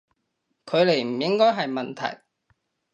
距離唔應該係問題